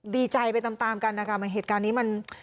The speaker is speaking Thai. ดีใจไปตามการอาการมันเหตุการณ์นี้